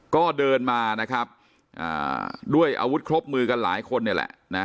ก็เดินมานะครับด้วยอาวุธครบมือกันหลายคนนี่แหละนะ